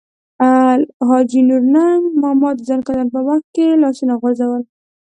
حاجي نورنګ ماما د ځنکدن په وخت کې لاسونه غورځول.